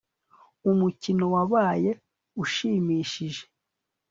umukino wabaye ushimishije